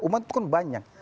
umat itu kan banyak